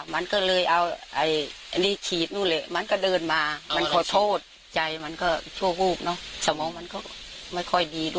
มันเกือบตาย